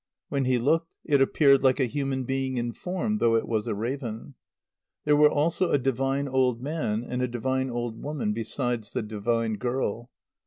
When he looked, it appeared like a human being in form, though it was a raven. There were also a divine old man and a divine old woman besides the divine girl.